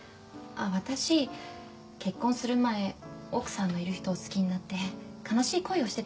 私結婚する前奥さんのいる人を好きになって悲しい恋をしてたんです。